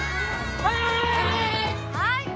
はい